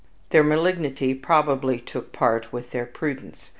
Their malignity probably took part with their prudence.